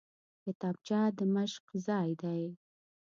کتابچه د مشق ځای دی